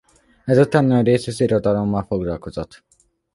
Ezután nagyrészt az irodalommal foglalkozott.